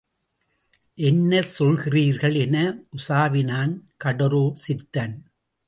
என்ன சொல்லுகிறீர்கள் என உசாவினன் கடோர சித்தன்.